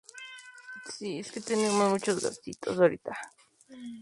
En diciembre siguieron los enfrentamientos dejando once muertos en una masacre.